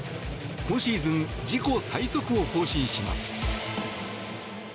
今シーズン自己最速を更新します。